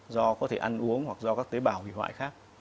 do có thể ăn uống hoặc do các tế bào hủy hoại khác